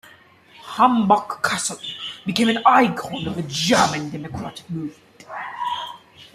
Hambach Castle became an icon of the German democratic movement.